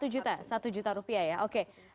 satu juta satu juta rupiah ya oke